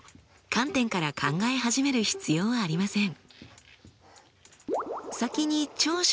観点から考え始める必要はありません。